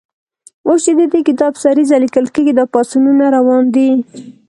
اوس چې د دې کتاب سریزه لیکل کېږي، دا پاڅونونه روان دي.